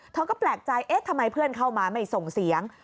เธอก็แปลกใจเอ๊ะทำไมเพื่อนเข้ามาไม่ส่งเสียง